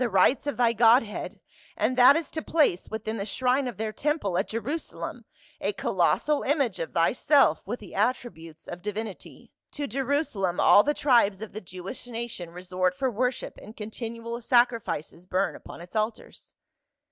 rights of thy godhead, and that is to place within the shrine of their temple at Jerusalem a colossal image of thyself with the attributes of divinity. To Jerusa lem all the tribes of the Jewish nation resort for wor ship, and continual sacrifices burn upon its altars."